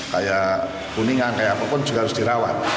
kayak kuningan kayak apapun juga harus dirawat